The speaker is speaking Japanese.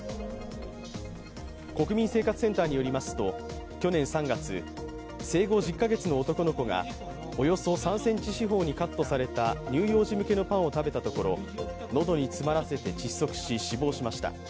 国民生活センターによりますと去年みつき生後１０カ月の男の子がおよそ３センチ四方にカットされた乳幼児向けのパンを食べたところ、喉に詰まらせて窒息し、死亡しました。